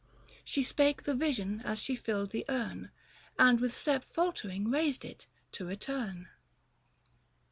She spoke the vision as she filled the urn, And with step faltering raised it, to return.